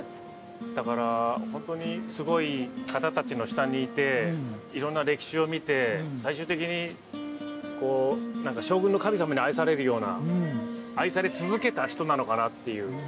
だから本当にすごい方たちの下にいていろんな歴史を見て最終的にこう何か将軍の神様に愛されるような愛され続けた人なのかなっていう。